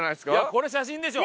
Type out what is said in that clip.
これ写真でしょ！